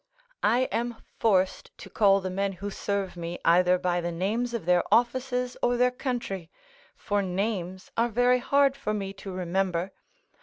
I am forced to call the men who serve me either by the names of their offices or their country; for names are very hard for me to remember.